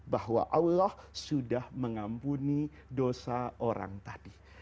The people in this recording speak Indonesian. bahwa allah sudah mengampuni dosa orang tadi